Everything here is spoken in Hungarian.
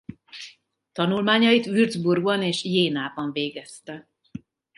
Tanulmányait Würzburgban és Jénában végezte.